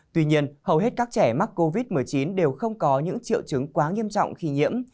tuy nhiên hầu hết các trẻ mắc covid một mươi chín đều không có những triệu chứng quá nghiêm trọng khi nhiễm